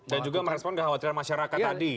dan juga merespon kekhawatiran masyarakat tadi